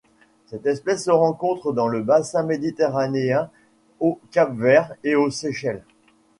Cette espèce se rencontre dans le bassin méditerranéen, au Cap-Vert et aux Seychelles.